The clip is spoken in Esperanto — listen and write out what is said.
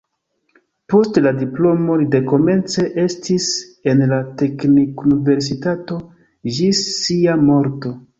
Post la diplomo li dekomence estis en la teknikuniversitato ĝis sia morto.